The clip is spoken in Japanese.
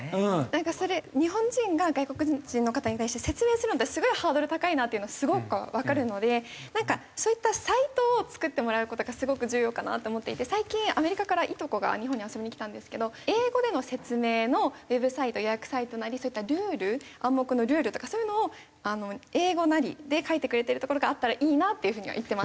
なんかそれ日本人が外国人の方に対して説明するのってすごいハードル高いなっていうのはすごくわかるのでなんかそういったサイトを作ってもらう事がすごく重要かなって思っていて最近アメリカからいとこが日本に遊びに来たんですけど英語での説明のウェブサイト予約サイトなりそういったルール暗黙のルールとかそういうのを英語なりで書いてくれてるところがあったらいいなっていうふうには言ってました。